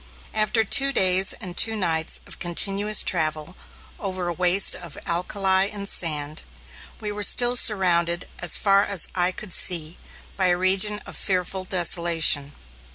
After two days and two nights of continuous travel, over a waste of alkali and sand, we were still surrounded as far as eye could see by a region of fearful desolation.